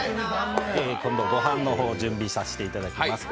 今度、ご飯の方準備させていただきます。